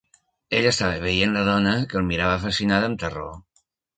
Ella estava veient la dona, que el mirava fascinada amb terror.